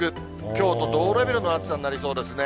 きょうと同レベルの暑さになりそうですね。